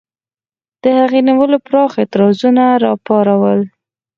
د هغې نیولو پراخ اعتراضونه را وپارول.